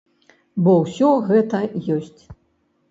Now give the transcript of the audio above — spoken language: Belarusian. Бо ўсё гэта ёсць.